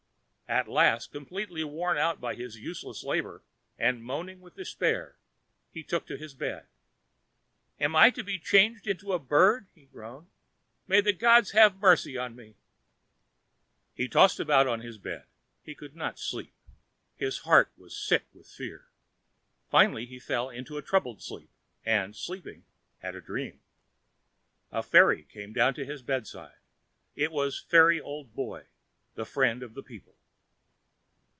At last completely worn out by his useless labour, and moaning with despair, he took to his bed. "Am I to be changed into a bird?" he groaned. "May the gods have mercy on me!" He tossed about on his bed: he could not sleep; his heart was sick with fear. Finally he fell into a troubled sleep, and, sleeping, had a dream. A fairy came to his bedside; it was Fairy Old Boy, the friend of the people.